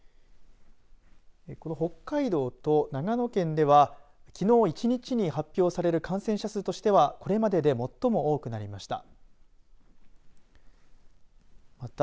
この北海道と長野県ではきのう１日に発表される感染者数としてはこれまでで最も多くなりました。